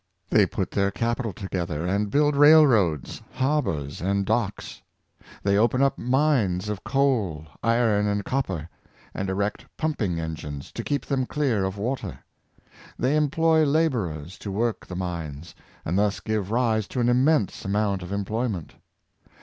They put their capital to gether, and build railroads, harbors, and docks. They open up mines of coal, iron, and copper; and erect pumping engines to keep them clear of water. They employ laborers to work the mines, and thus give rise to an immense amount of employment.